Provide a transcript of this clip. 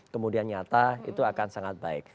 kemudian nyata itu akan sangat baik